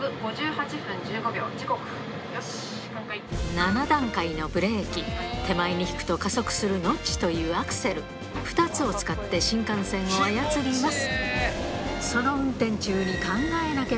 ７段階のブレーキ手前に引くと加速するノッチというアクセル２つを使って新幹線を操ります